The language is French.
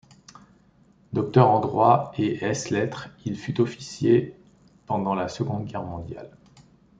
Docteur en droit et ès lettres, il fut officier pendant la Seconde Guerre mondiale.